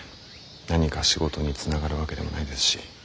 何か仕事につながるわけでもないですし。